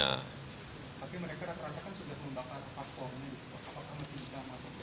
tapi mereka ratakan sudah melakukan paspor nih apakah masih bisa masukin